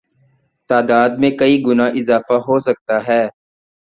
تعداد میں کئی گنا اضافہ ہوسکتا ہے